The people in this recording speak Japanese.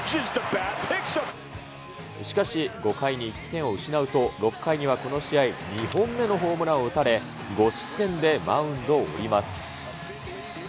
しかし、５回に１点を失うと、６回にはこの試合２本目のホームランを打たれ、５失点でマウンドを降ります。